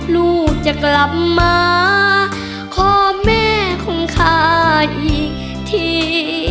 ลูกจะกลับมาขอแม่ของข้าอีกที